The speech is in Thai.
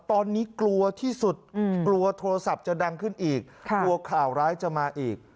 ตอนนี้กลัวที่สุดกลัวโทรศัพท์จะดังขึ้นอีกกลัวข่าวร้ายจะมาอีก